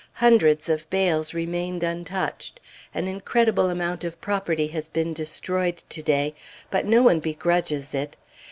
Hundreds of bales remained untouched. An incredible amount of property has been destroyed to day; but no one begrudges it.